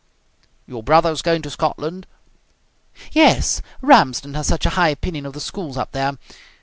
"Your brother is going to Scotland?" "Yes. Ramsden has such a high opinion of the schools up there.